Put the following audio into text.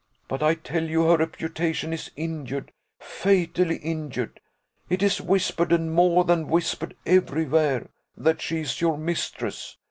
But I tell you her reputation is injured fatally injured. It is whispered, and more than whispered everywhere, that she is your mistress.